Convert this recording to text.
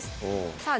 さあ